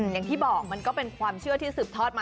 อย่างที่บอกมันก็เป็นความเชื่อที่สืบทอดมา